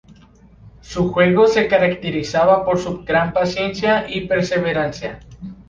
Su juego se caracterizaba por su gran paciencia y perseverancia.